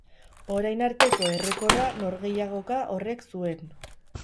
Orain arteko errekorra norgehiagoka horrek zuen.